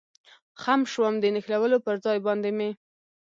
خم شوم، د نښلولو پر ځای باندې مې.